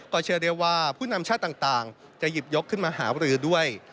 เชื่อได้ว่าผู้นำชาติต่างจะหยิบยกขึ้นมาหารือด้วย